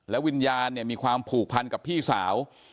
วิญญาณเนี่ยมีความผูกพันกับพี่สาว